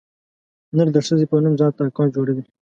نر د ښځې په نوم ځانته اکاونټ جوړوي.